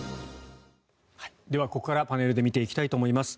では、ここからパネルで見ていきたいと思います。